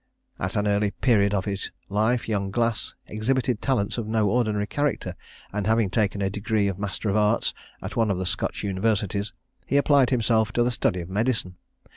At an early period of his life, young Glass exhibited talents of no ordinary character; and having taken a degree of Master of Arts at one of the Scotch universities, he applied himself to the study of medicine.